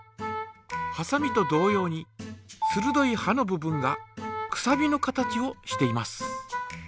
はさみと同様にするどいはの部分がくさびの形をしています。